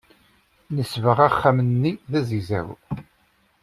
Nesbeɣ axxam-nni d azegzaw.